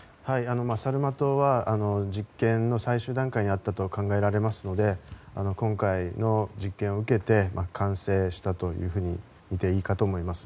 サルマトは実験の最終段階にあったと考えられますので今回の実験を受けて完成したというふうにみていいかと思います。